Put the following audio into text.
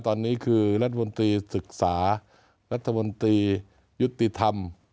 ตอนนี้คือรัฐมนตรีศึกษารัฐมนตรียุติธรรม